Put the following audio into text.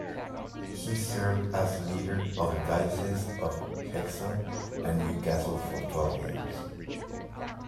He served as leader of the Diocese of Hexham and Newcastle for twelve years.